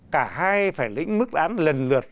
cả hai phải lĩnh mức án lần lượt